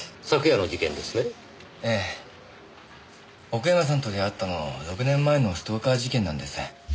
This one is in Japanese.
奥山さんと出会ったの６年前のストーカー事件なんです。